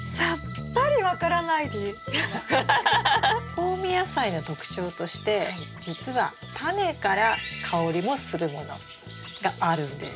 香味野菜の特徴として実はタネから香りもするものがあるんです。